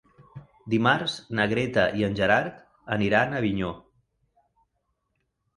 Dimarts na Greta i en Gerard aniran a Avinyó.